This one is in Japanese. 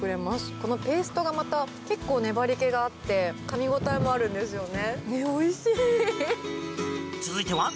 このペーストが粘り気があってかみ応えもあるんですよね。